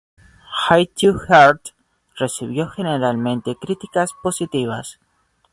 Hide Your Heart recibió generalmente críticas positivas.